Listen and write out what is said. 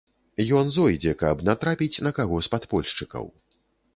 Ён зойдзе, каб натрапіць на каго з падпольшчыкаў.